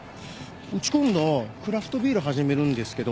うち今度クラフトビール始めるんですけど。